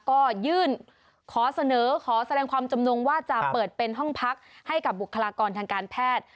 ก็ยื่นขอเสนอขอแสดงความจำนงว่าจะเปิดเป็นห้องพักให้กับบุคลากรทางการแพทย์